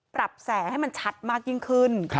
แสให้มันชัดมากยิ่งขึ้น